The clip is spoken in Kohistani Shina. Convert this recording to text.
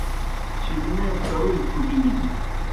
چلمے ترُوئی پُھٹِلِن۔